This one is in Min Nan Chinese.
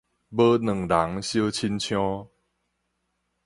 無兩人相親像